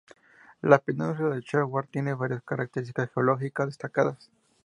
La península de Seward tiene varias características geológicas destacadas.